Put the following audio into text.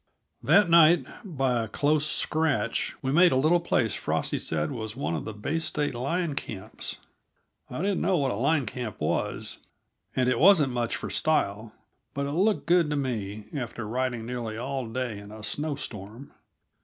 That night, by a close scratch, we made a little place Frosty said was one of the Bay State line camps. I didn't know what a line camp was, and it wasn't much for style, but it looked good to me, after riding nearly all day in a snow storm.